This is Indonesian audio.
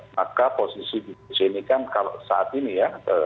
maka posisi ibu pc ini kan saat ini ya